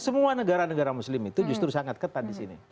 semua negara negara muslim itu justru sangat ketat disini